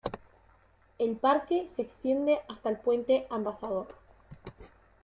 El parque se extiende hasta el Puente Ambassador.